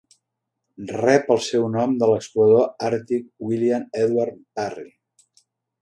Rep el seu nom de l'explorador àrtic William Edward Parry.